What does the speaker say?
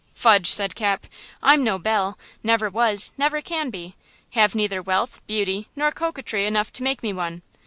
"Fudge!" said Cap, "I'm no belle; never was; never can be; have neither wealth, beauty nor coquetry enough to make me one.